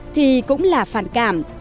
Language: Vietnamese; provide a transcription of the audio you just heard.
thì cũng là phản cảm